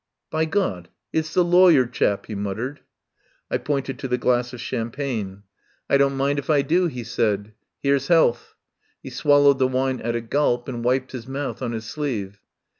"By God, it's the lawyer chap," he mut tered. I pointed to the glass of champagne. "I don't mind if I do," he said. " 'Ere's health!" He swallowed the wine at a gulp, and wiped his mouth on his sleeve.